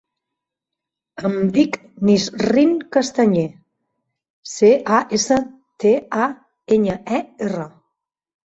Em dic Nisrin Castañer: ce, a, essa, te, a, enya, e, erra.